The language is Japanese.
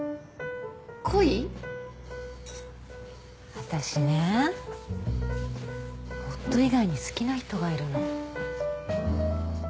私ね夫以外に好きな人がいるの。